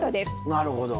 なるほど。